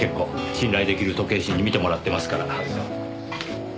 信頼出来る時計師に見てもらってますから。